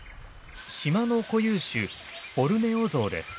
島の固有種ボルネオゾウです。